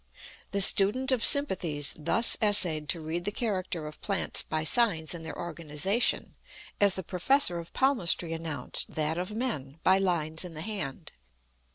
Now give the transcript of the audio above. ... The student of sympathies thus essayed to read the character of plants by signs in their organization, as the professor of palmistry announced that of men by lines in the hand."